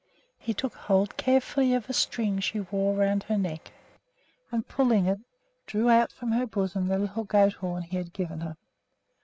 He took hold carefully of a string she wore around her neck, and, pulling it, drew out from her bosom the little goat horn he had given her.